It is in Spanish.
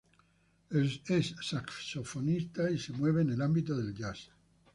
Es saxofonista, se mueve en el ámbito del jazz.